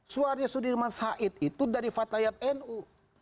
suaranya sudirman said itu dari fatayat nu